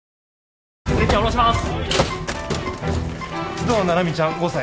須藤七海ちゃん５歳。